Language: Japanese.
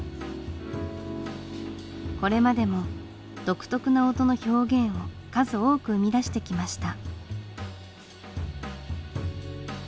これまでも独特な音の表現を数多く生み出してきました。